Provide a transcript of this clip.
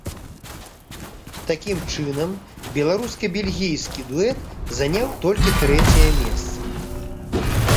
Такім чынам беларуска-бельгійскі дуэт заняў толькі трэцяе месца.